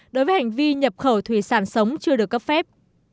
đối với hành vi nhập khẩu thủy sản sống chưa được cấp phép